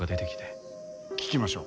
聞きましょう。